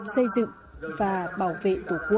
xây dựng và bảo vệ